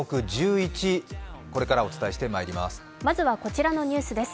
１１、これからお伝えしてまいります。